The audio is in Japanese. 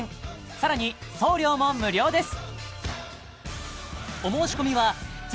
さらに送料も無料です